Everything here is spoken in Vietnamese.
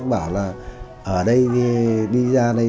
bảo là ở đây đi ra đây